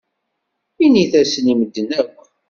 Init-asen i medden akk.